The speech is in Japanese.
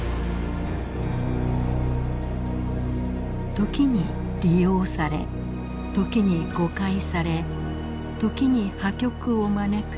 時に利用され時に誤解され時に破局を招く情報。